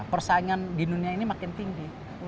persaingan di dunia ini makin tinggi